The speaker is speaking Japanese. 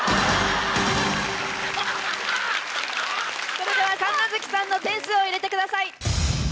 それでは神奈月さんの点数を入れてください。